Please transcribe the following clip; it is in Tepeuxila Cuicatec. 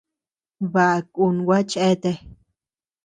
Baʼa kun gua cheatea.